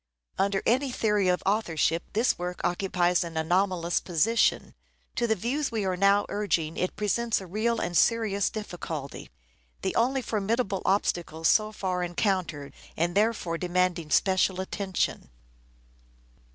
Under any theory of authorship this work occupies an anomalous position. To the views we are now urging it presents a real and serious difficulty : the only formidable obstacle so far encountered, and therefore demanding special attention.